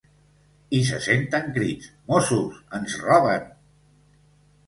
I se senten crits: ‘mossos, ens roben!’.